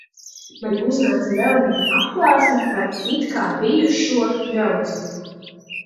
Man uznāca vēl viena atklāsme par it kā bijušo draudzību.